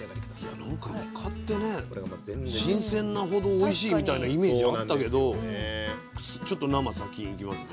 いやなんかイカってね新鮮なほどおいしいみたいなイメージあったけどちょっと生先いきますね。